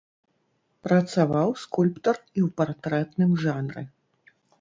Працаваў скульптар і ў партрэтным жанры.